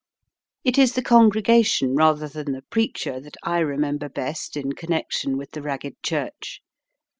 It is the congregation rather than the preacher that I remember best in connection with the Ragged Church.